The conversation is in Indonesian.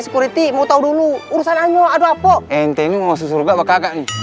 security mau tahu dulu urusan anjo ada apa ente ini mau surga bakal kak nih